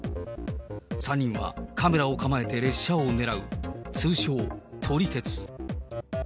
３人はカメラを構えて列車を狙う、通称、撮り鉄。